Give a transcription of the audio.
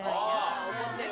怒ってる。